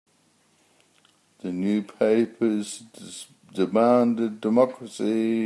The newspapers demanded democracy.